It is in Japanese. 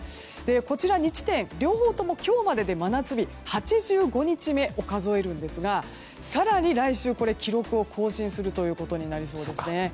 こちら、２地点両方とも今日まで真夏日で８５日目を数えますが更に来週、記録を更新することになりそうですね。